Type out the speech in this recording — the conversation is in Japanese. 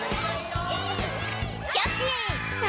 キャッチ！